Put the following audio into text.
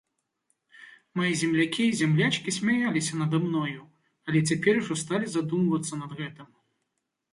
Мае землякі і зямлячкі смяяліся нада мною, але цяпер ужо сталі задумвацца над гэтым.